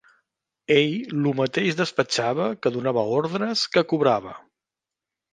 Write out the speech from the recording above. Ell lo mateix despatxava que donava ordres, que cobrava